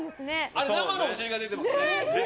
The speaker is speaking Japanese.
あれ、生のお尻が出てますね。